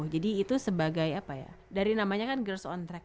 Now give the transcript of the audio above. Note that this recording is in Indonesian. jadi itu sebagai apa ya dari namanya kan girls on track